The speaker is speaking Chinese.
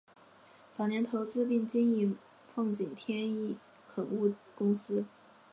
早年投资并经营奉锦天一垦务公司。